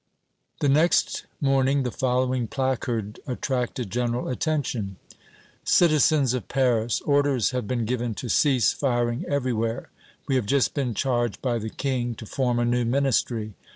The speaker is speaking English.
The next morning the following placard attracted general attention: "CITIZENS OF PARIS: Orders have been given to cease firing everywhere. We have just been charged by the King to form a new Ministry.